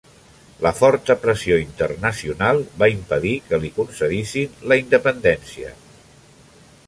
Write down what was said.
La forta pressió internacional va impedir que li concedissin la independència.